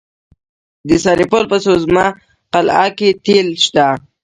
د سرپل په سوزمه قلعه کې تیل شته.